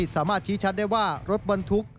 สามารถชี้ชัดได้ว่ารถบรรทุก